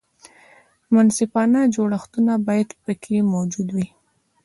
منصفانه جوړښتونه باید پکې موجود وي.